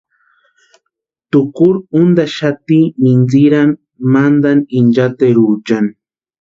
Tukuru úntaxati mintsirani mantani inchateruchani.